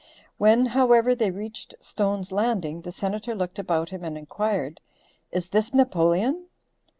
When, however, they reached Stone's Landing the Senator looked about him and inquired, "Is this Napoleon?"